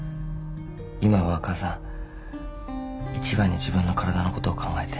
今は母さん一番に自分の体のことを考えて。